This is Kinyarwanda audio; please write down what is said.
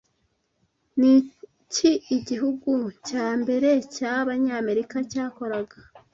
Niki igihugu cya mbere cyabanyamerika cyakoraga